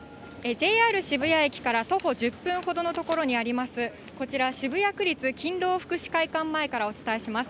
ＪＲ渋谷駅から徒歩１０分ほどの所にあります、こちら、渋谷区立勤労福祉会館前からお伝えします。